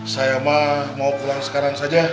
saya mah mau pulang sekarang saja